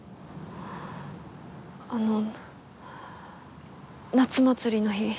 あの夏祭りの日。